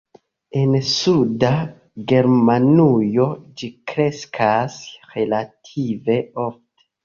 En suda Germanujo ĝi kreskas relative ofte.